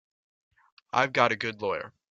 I've got a good lawyer.